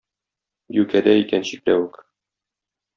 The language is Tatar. Юкәдә икән чикләвек.